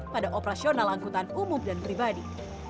pada operasional angkutan umum dan pribadi